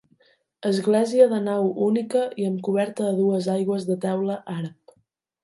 Església de nau única i amb coberta a dues aigües de teula àrab.